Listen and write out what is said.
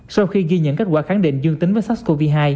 sau khi ghi nhận kết quả khẳng định dương tính với sars cov hai